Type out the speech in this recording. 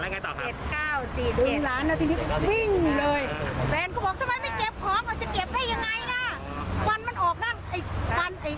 แฟนก็บอกทำไมไม่เก็บว่าจะเก็บให้อย่างไรนะ